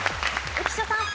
浮所さん。